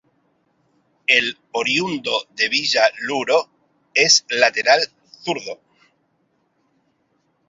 El oriundo de Villa Luro, es lateral zurdo.